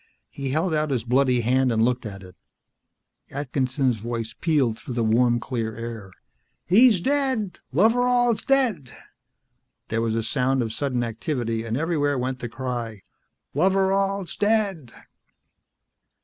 He held out his bloody hand and looked at it. Atkinson's voice pealed through the warm clear air. "He's dead! Loveral's dead!" There was a sound of sudden activity, and everywhere went the cry, "Loveral's dead!"